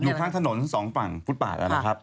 อยู่ข้างถนนทั้งสองฝั่งฟุตปากแล้วนะครับ